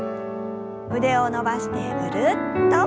腕を伸ばしてぐるっと。